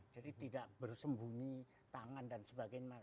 jadi tidak bersembunyi tangan dan sebagainya